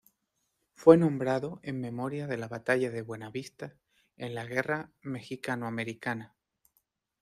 Fue nombrado en memoria de la batalla de "Buena Vista" en la guerra mexicano-americana.